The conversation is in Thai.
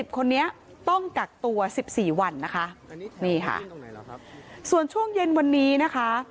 คนนี้ต้องกักตัว๑๔วันนะคะนี่ค่ะส่วนช่วงเย็นวันนี้นะคะ